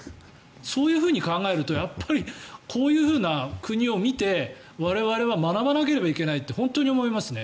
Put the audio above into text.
そういうふうに考えるとこういう国を見て我々は学ばなければいけないと本当に思いますね。